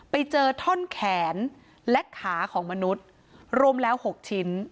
ไปเจอท่อนแขนและขาของมนุษย์รวมแล้ว๖ชิ้น